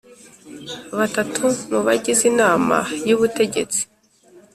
Batatu mu bagize inama y ubutegetsi